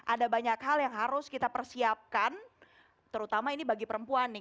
ada banyak hal yang harus kita persiapkan terutama ini bagi perempuan nih